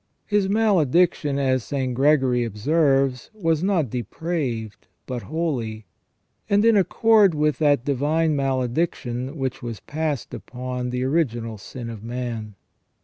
His malediction, as St. Gregory observes, was not depraved but holy, and in accord with that divine malediction, which was passed upon the original sin of man.